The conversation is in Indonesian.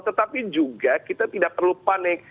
tetapi juga kita tidak perlu panik